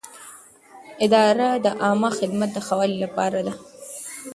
اداره د عامه خدمت د ښه والي لپاره ده.